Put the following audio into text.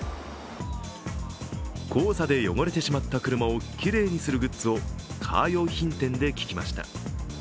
黄砂で汚れてしまった車をきれいにするグッズをカー用品店で聞きました。